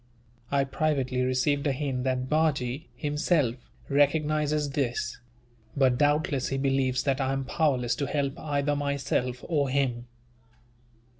I privately received a hint that Bajee, himself, recognizes this; but doubtless he believes that I am powerless to help either myself or him.